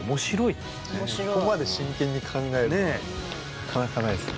ここまで真剣に考えるのはなかなかないっすね。